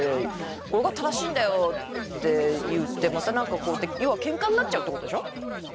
「これが正しいんだよ」って言ってまた何かこうやって要はケンカになっちゃうってことでしょ？